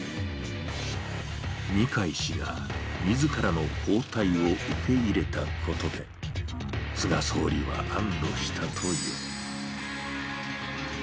二階氏がみずからの交代を受け入れたことで、菅総理は安どしたという。